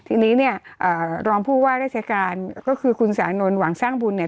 ทีนี้เนี่ยรองผู้ว่าราชการก็คือคุณสานนท์หวังสร้างบุญเนี่ย